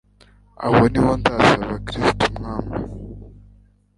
Aho niho nzasaba Kristo Umwami